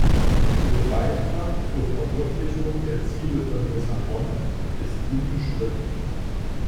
Ihr Beitrag zur Verwirklichung der Ziele von Lissabon ist unbestritten.